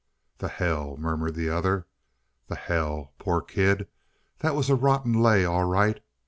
"The hell!" murmured the other. "The hell! Poor kid. That was a rotten lay, all right.